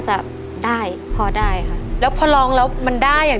มีอะไรบ้าง